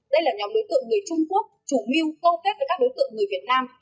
đây là nhóm đối tượng người trung quốc chủ mưu câu kết với các đối tượng người việt nam